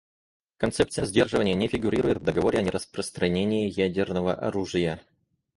Концепция сдерживания не фигурирует в Договоре о нераспространении ядерного оружия.